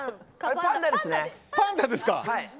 パンダですね。